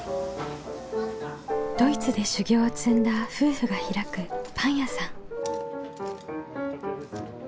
ドイツで修業を積んだ夫婦が開くパン屋さん。